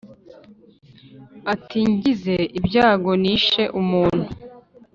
ati «ngize ibyago nishe umuntu;